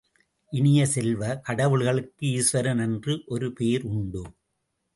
இனிய செல்வ, கடவுளுக்கு ஈசுவரன் என்று ஒரு பேர் உண்டு.